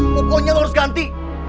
pokoknya lu harus ganti